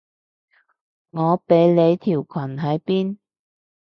我畀你條裙喺邊？